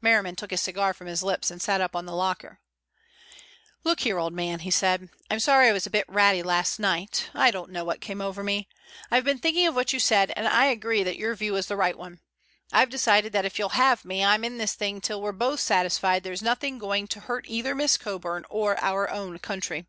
Merriman took his cigar from his lips and sat up on the locker. "Look here, old man," he said, "I'm sorry I was a bit ratty last night. I don't know what came over me. I've been thinking of what you said, and I agree that your view is the right one. I've decided that if you'll have me, I'm in this thing until we're both satisfied there's nothing going to hurt either Miss Coburn or our own country."